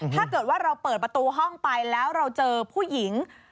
ถ้าเกิดว่าเราเปิดประตูห้องไปแล้วเราเจอผู้หญิง